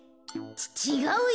ちがうよ！